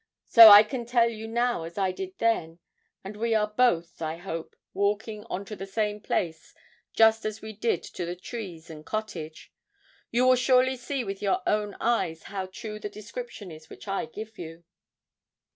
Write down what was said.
So I can tell you now as I did then; and as we are both, I hope, walking on to the same place just as we did to the trees and cottage. You will surely see with your own eyes how true the description is which I give you.'